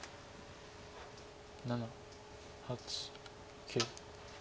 ７８９。